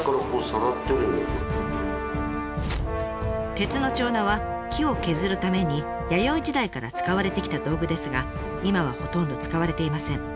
鉄の釿は木を削るために弥生時代から使われてきた道具ですが今はほとんど使われていません。